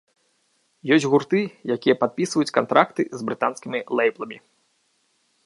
Ёсць гурты, якія падпісваюць кантракты з брытанскімі лейбламі.